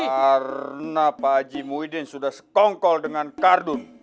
karena pak eji muhyiddin sudah sekongkol dengan kardun